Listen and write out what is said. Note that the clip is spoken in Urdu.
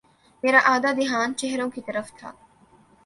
میرا آدھا دھیان چہروں کی طرف تھا۔